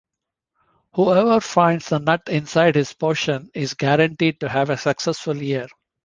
Whoever finds the nut inside his portion is guaranteed to have a successful year.